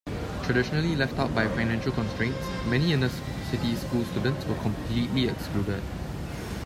Traditionally left out by financial constraints, many inner-city school students were completely excluded.